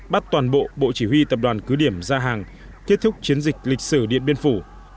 bắt toàn bộ bộ chỉ huy tập đoàn cứ điểm ra hàng kết thúc chiến dịch lịch sử điện biên phủ